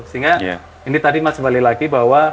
sehingga ini tadi mas kembali lagi bahwa